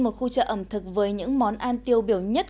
một khu chợ ẩm thực với những món ăn tiêu biểu nhất